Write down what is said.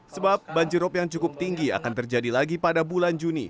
sebab banjirop yang cukup tinggi akan terjadi lagi pada bulan juni